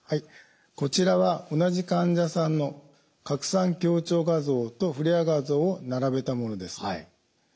こちらは同じ患者さんの拡散強調画像とフレアー画像を並べたものです。